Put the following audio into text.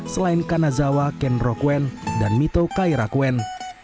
selain kanazawa kenrokuen dan mito kairakuen